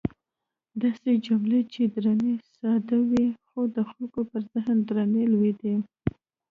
داسې جملې چې ډېرې ساده وې، خو د خلکو پر ذهن درنې لوېدې.